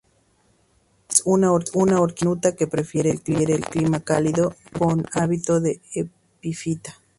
Es una orquídea diminuta que prefiere el clima cálido, con hábito de epifita.